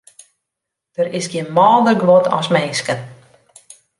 Der is gjin mâlder guod as minsken.